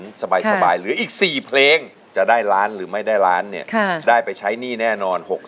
โอ๊ยภาษาเหนือเขาเรียกอะไรนะยังงี้